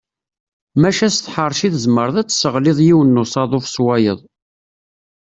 Maca s tḥerci tzemreḍ ad tesseɣliḍ yiwen n usaḍuf s wayeḍ.